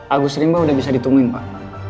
agus seringba sudah bisa ditungguin pak